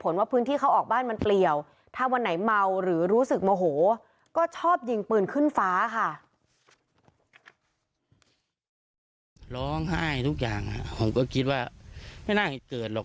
ร้องไห้ทุกอย่างผมก็คิดว่าไม่น่าจะเกิดหรอก